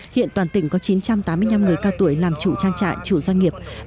hiện toàn tỉnh có chín trăm tám mươi năm người cao tuổi làm chủ trang trại chủ doanh nghiệp